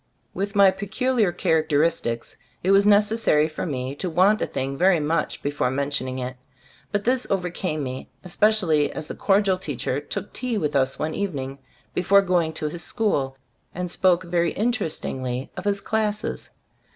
With my peculiar characteris tics it was necessary for me to want a thing very much before mentioning it ; but this overcame me, especially as the cordial teacher took tea with us one evening before going to his school, and spoke very in terestingly of his classes.